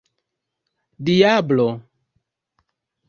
diablo